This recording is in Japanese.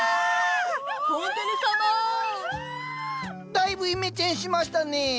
だいぶイメチェンしましたね。